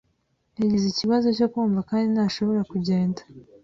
Yagize ikibazo cyo kumva kandi ntashobora kugenda.